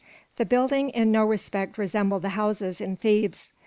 The building in no respect resembled the houses in Thebes.